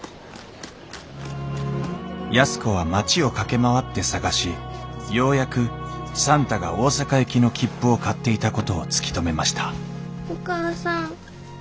安子は町を駆け回って捜しようやく算太が大阪行きの切符を買っていたことを突き止めましたお母さん。